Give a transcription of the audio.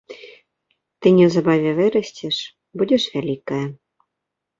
Ты неўзабаве вырасцеш, будзеш вялікая.